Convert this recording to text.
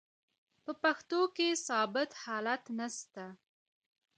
په پښتو کښي ثابت حالت نسته.